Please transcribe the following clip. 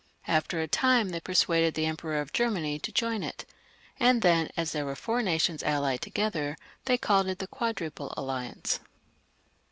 After a time they per suaded the Emperor of Germany to join it. And then, as there were four nations allied together, they called it the Quadruple Alliance.